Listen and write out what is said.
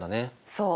そう。